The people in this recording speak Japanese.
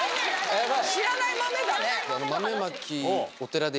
知らない豆だね。